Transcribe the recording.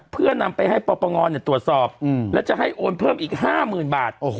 เพื่อนำไปให้ปปงตรวจสอบแล้วจะให้โอนเพิ่มอีก๕๐๐๐บาท